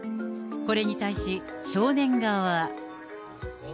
これに対し、少年側は。